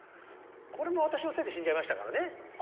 これも私のせいで死んじゃいましたからね。